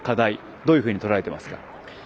どういうふうにとらえていますか？